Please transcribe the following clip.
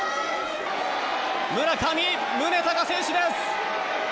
村上宗隆選手です！